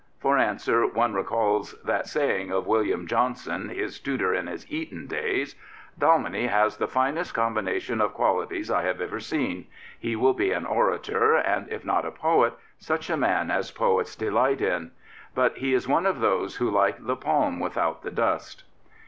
For answer one recalls that saying of William Johnson, his tutor in his Eton days —" Dalmeny has the finest combina tion of qualities I have ever seen. He will be an orator, and, if not a poet, such a man as poets delight in. But he is one of those who like the palm without the dust."'